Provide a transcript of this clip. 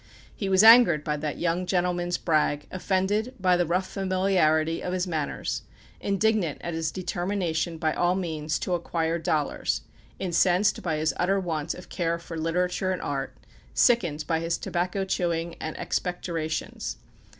He was angered by that young gentleman's brag, offended by the rough familiarity of his manners, indignant at his determination by all means to acquire dollars, incensed by his utter want of care for literature and art, sickened by his tobacco chewing and expectorations.